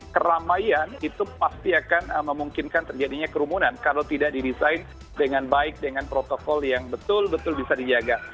keramaian itu pasti akan memungkinkan terjadinya kerumunan kalau tidak didesain dengan baik dengan protokol yang betul betul bisa dijaga